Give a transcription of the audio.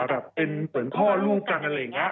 แบบเป็นเหมือนพ่อลูกกันอะไรอย่างนี้